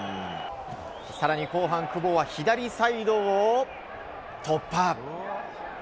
更に後半久保は左サイドを突破。